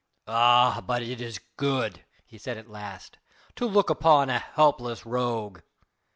"Ah! but it is good," he said at last, "to look upon a helpless rogue."